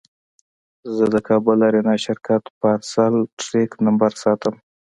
زه د کابل اریانا شرکت پارسل ټرېک نمبر ساتم.